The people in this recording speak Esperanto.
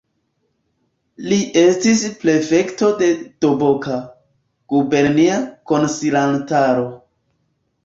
Li estis prefekto de Doboka, gubernia konsilantaro.